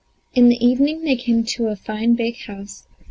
In the evening they came to a fine big house.